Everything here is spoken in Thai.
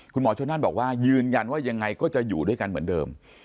คุณหมอชนนั่นบอกว่ายืนยันว่ายังไงก็จะอยู่ด้วยกันเหมือนเดิม